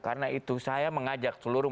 karena itu saya mengajak seluruh masyarakat